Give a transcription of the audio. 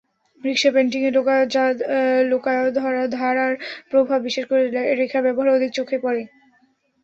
রিকশা পেইন্টিংয়ে লোকায়ত ধারার প্রভাব, বিশেষ করে রেখার ব্যবহারে অধিক চোখে পড়ে।